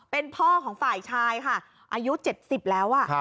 เป็นพ่อของฝ่ายชายค่ะอายุ๗๐แล้ว